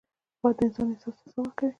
باد د انسان احساس ته ساه ورکوي